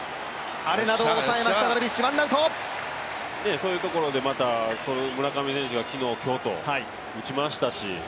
そういうところでまた、村上選手が昨日、今日と打ちましたし。